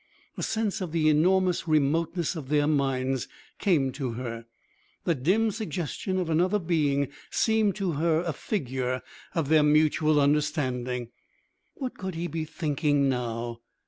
A sense of the enormous remoteness of their minds came to her; that dim suggestion of another being seemed to her a figure of their mutual understanding. What could he be thinking now?